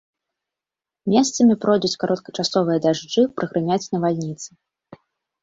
Месцамі пройдуць кароткачасовыя дажджы, прагрымяць навальніцы.